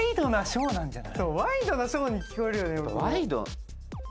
ワイドナショーに聞こえるよね。